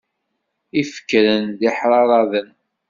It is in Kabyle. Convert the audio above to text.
Ifekren d iḥraraden.